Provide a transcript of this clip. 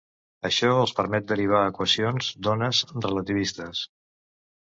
Això els permet derivar equacions d'ones relativistes.